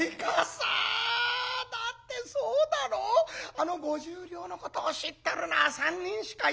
あの５０両のことを知ってるのは３人しかいない。